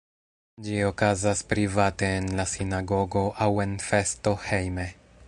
Ĝi okazas private en la sinagogo aŭ en festo hejme.